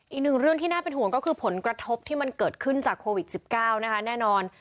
อีกหนึ่งเรื่องที่น่าเป็นห่วงก็คือผลกระทบที่มันเกิดขึ้นจากโควิด๑๙นะคะแน่นอน